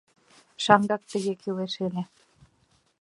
Шаҥгак тыге кӱлеш ыле!